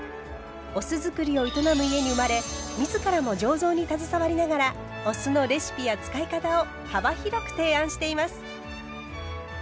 お酢造りを営む家に生まれ自らも醸造に携わりながらお酢のレシピや使い方を幅広く提案しています。